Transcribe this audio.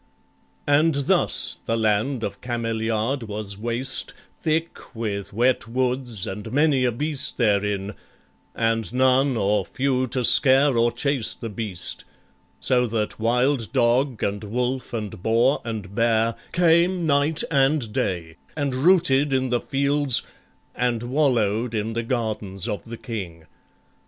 And thus the land of Cameliard was waste, Thick with wet woods, and many a beast therein, And none or few to scare or chase the beast; So that wild dog and wolf and boar and bear Came night and day, and rooted in the fields, And wallow'd in the gardens of the King.